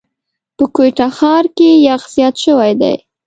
په کوټه ښار کي یخ زیات شوی دی.